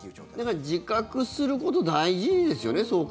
だから自覚すること大事ですよね。